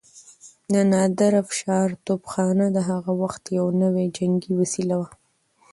د نادرافشار توپخانه د هغه وخت يو نوی جنګي وسيله وه.